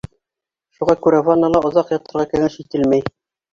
Шуға күрә ваннала оҙаҡ ятырға кәңәш ителмәй.